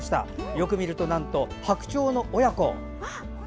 よく見ると、白鳥の親子。